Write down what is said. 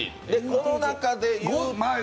この中で言うと？